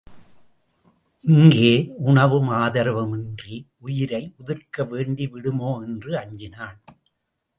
இங்கே உணவும் ஆதரவும் இன்றி உயிரை உதிர்க்க வேண்டி விடுமோ என்று அஞ்சினான்.